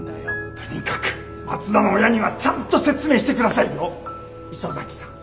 とにかく松田の親にはちゃんと説明してくださいよ磯崎さん。